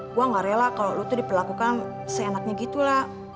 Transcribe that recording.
gue gak rela kalau lo tuh diperlakukan seenaknya gitu lah